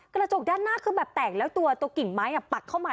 กระจกด้านหน้าคือแบบแตกแล้วตัวกิ่งไม้ปักเข้ามา